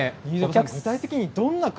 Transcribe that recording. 具体的に。